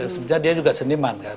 sebenarnya dia juga seniman kan